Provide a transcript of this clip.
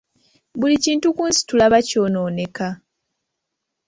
Buli kintu ku nsi tulaba ky'onooneka.